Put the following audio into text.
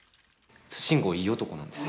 慎吾いい男なんです。